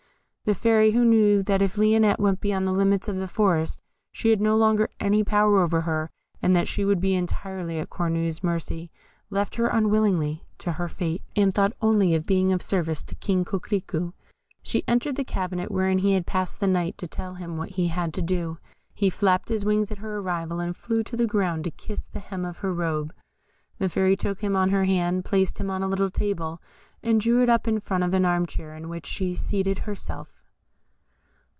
The Fairy, who knew that if Lionette went beyond the limits of the forest she had no longer any power over her, and that she would be entirely at Cornue's mercy, left her unwillingly to her fate, and thought only of being of service to King Coquerico. She entered the cabinet wherein he had passed the night, to tell him what he had to do. He flapped his wings at her arrival, and flew to the ground to kiss the hem of her robe. The Fairy took him on her hand, placed him on a little table, and drew it up in front of an arm chair, in which she seated herself.